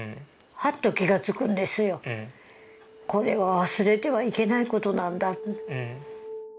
これは忘れてはいけない事なんだ。